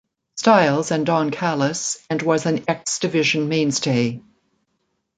Styles and Don Callis, and was an X Division mainstay.